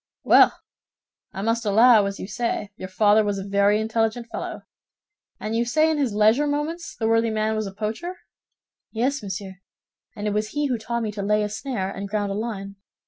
"Well, I must allow, as you say, your father was a very intelligent fellow. And you say in his leisure moments the worthy man was a poacher?" "Yes, monsieur, and it was he who taught me to lay a snare and ground a line.